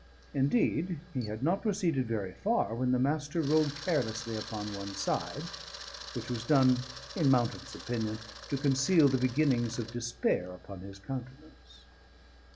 Indeed, he had not proceeded very far, when the Master rolled carelessly upon one side, which was done (in Mountain's opinion) to conceal the beginnings of despair upon his countenance.